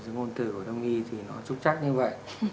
ngôn từ của đông y thì nó trúc trắc như vậy